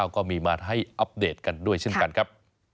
ก็มีมาให้อัปเดตกันด้วยเช่นกันครับ